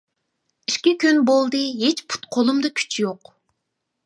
ئىككى كۈن بولدى ھېچ پۇت قۇلۇمدا كۈچ يوق.